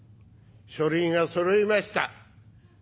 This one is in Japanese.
書類がそろいました。